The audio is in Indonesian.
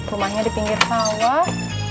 rumahnya di pinggir sawah